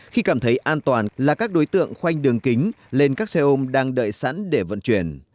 khi cảm thấy an toàn là các đối tượng khoanh đường kính lên các xe ôm đang đợi sẵn để vận chuyển